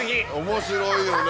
面白いよね